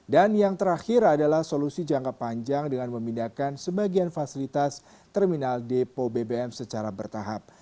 dan yang terakhir adalah solusi jangka panjang dengan memindahkan sebagian fasilitas terminal depo bbm secara bertahap